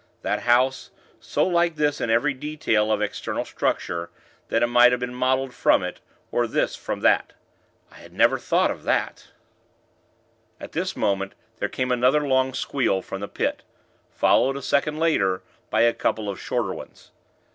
That house, so like this in every detail of external structure, that it might have been modeled from it; or this from that. I had never thought of that At this moment, there came another long squeal, from the Pit, followed, a second later, by a couple of shorter ones.